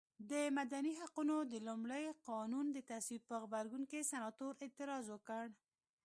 د مدني حقونو د لومړ قانون د تصویب په غبرګون کې سناتور اعتراض وکړ.